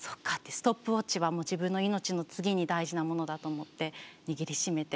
ストップウォッチは自分の命の次に大事なものだと思って握りしめて。